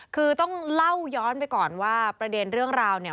คือต้องเล่าย้อนไปก่อนว่าประเด็นเรื่องราวเนี่ย